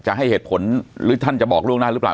จะให้เหตุผลหรือท่านจะบอกล่วงหน้าหรือเปล่า